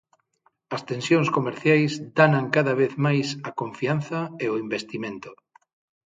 As tensións comerciais danan cada vez máis a confianza e o investimento.